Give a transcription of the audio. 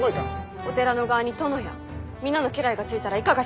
お寺の側に殿や皆の家来がついたらいかがします？